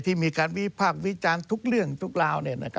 ที่มีการวิพากษ์วิจารณ์ทุกเรื่องทุกราว